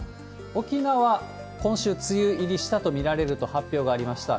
沖縄、今週、梅雨入りしたと見られると発表がありました。